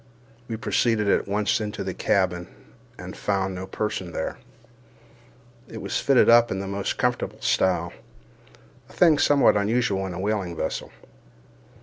We proceeded at once into the cabin, and found no person there. It was fitted up in the most comfortable style—a thing somewhat unusual in a whaling vessel.